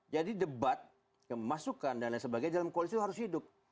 jadi debat kemasukan dan lain sebagainya dalam koalisi itu harus hidup